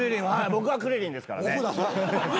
僕はクリリンですからね。